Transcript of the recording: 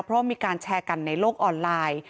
เพราะมีการแชร์กันในโลกออนไลน์